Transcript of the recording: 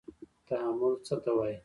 تعامل څه ته وايي.